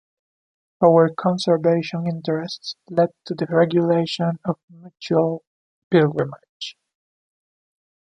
Power conservation interests led to the regulation of mutual pilgrimage.